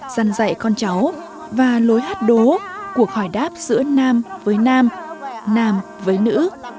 dăn dạy con cháu và lối hát đố cuộc hỏi đáp giữa nam với nam nam với nữ